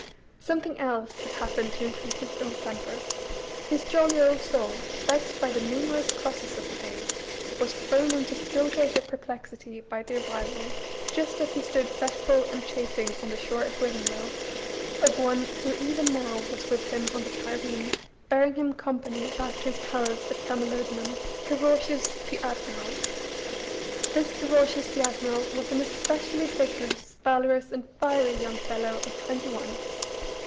Something else had happened to increase his ill temper. His "jolly old soul," vexed by the numerous crosses of the day, was thrown into still greater perplexity by the arrival, just as he stood fretful and chafing on the shore at Wivanloe, of one who even now was with him on the trireme, bearing him company back to his palace at Camolodunum Carausius the admiral. This Carausius, the admiral, was an especially vigorous, valorous, and fiery young fellow of twenty one.